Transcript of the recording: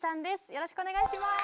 よろしくお願いします。